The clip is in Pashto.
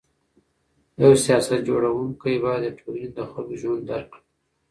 یو سیاست جوړونکی باید د ټولني د خلکو ژوند درک کړي.